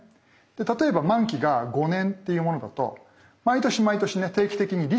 例えば満期が５年っていうものだと毎年毎年ね定期的に利子がもらえます。